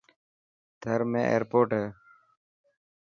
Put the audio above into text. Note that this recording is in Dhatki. ٿر ۾ ايرپوٽ هي.